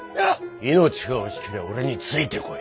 命が惜しけりゃ俺についてこい！